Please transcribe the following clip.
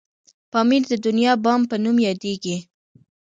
پامير د دنيا بام په نوم یادیږي.